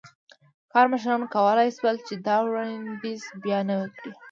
کارمشرانو کولای شول چې دا وړاندیز بیا نوی کړي.